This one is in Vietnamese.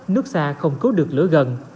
nước xa không cứu được lửa gần